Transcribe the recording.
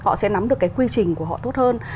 họ sẽ nắm được cái quy trình của họ tốt hơn